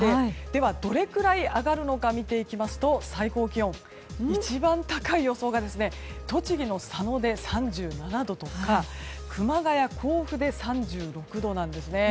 では、どれくらい上がるのか見ていきますと最高気温、一番高い予想が栃木の佐野で３７度とか熊谷、甲府で３６度なんです。